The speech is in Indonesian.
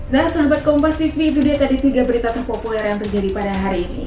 nah sahabat kompas tv itu dia tadi tiga berita terpopuler yang terjadi pada hari ini